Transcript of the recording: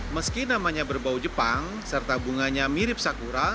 meski namanya berbau jepang serta bunganya mirip sakura